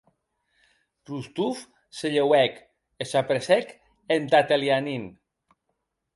Rostov se lheuèc e s’apressèc entà Telianin.